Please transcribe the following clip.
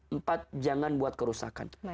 empat jangan buat kerusakan